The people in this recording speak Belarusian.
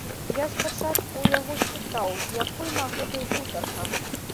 Я спачатку ў яго спытаў, з якой нагоды гутарка?